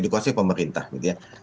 dikuasai pemerintah gitu ya